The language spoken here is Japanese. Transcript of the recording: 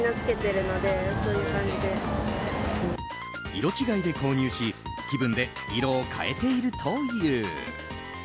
色違いで購入し気分で色を変えているという。